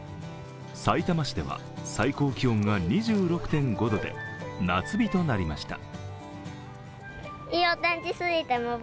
さいたま市では最高気温が２６．５度で夏日となりました。